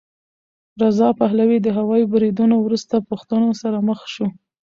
رضا پهلوي د هوايي بریدونو وروسته پوښتنو سره مخ شو.